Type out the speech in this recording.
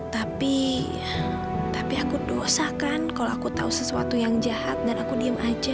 tapi tapi aku dosa kan kalau aku tahu sesuatu yang jahat dan aku diem aja